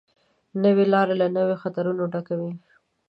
نوې لاره له نویو خطرونو ډکه وي